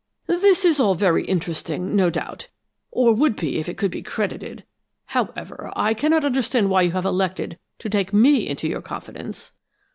"This is all very interesting, no doubt, or would be if it could be credited. However, I cannot understand why you have elected to take me into your confidence."